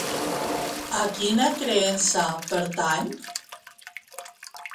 A quina creença pertany?